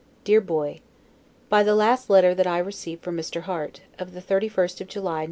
DEAR BOY: By the last letter that I received from Mr. Harte, of the 31st July, N.